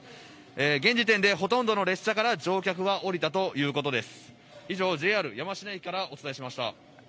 現時点でほとんどの列車から乗客は降りたということです。